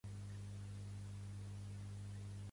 He trobat un mirabolaner ple de mirabolans